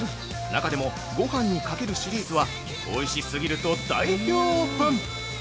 中でもごはんにかけるシリーズはおいしすぎると大評判！